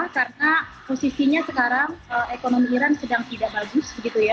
karena posisinya sekarang ekonomi iran sedang tidak bagus